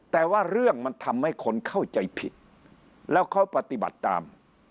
แต่ว่าเรื่องมันทำให้คนเข้าใจผิดแล้วเขาปฏิบัติตาม